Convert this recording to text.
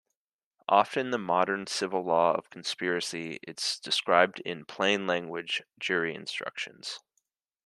Often the modern civil law of conspiracy is described in "plain language" jury instructions.